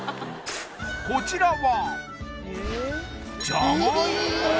こちらは・